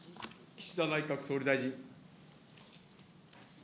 岸田内閣総理大臣。